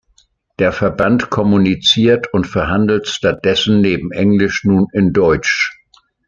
Der Verband kommuniziert und verhandelt stattdessen neben Englisch nun in Deutsch.